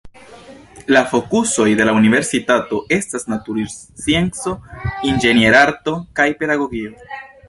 La fokusoj de la universitato estas naturscienco, inĝenierarto kaj pedagogio.